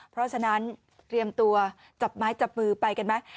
เพราะฉะนั้นเตรียมตัวจับไม้จับมือไปกันไหม